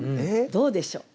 どうでしょう？